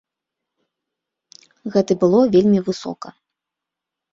Гэта было вельмі высока.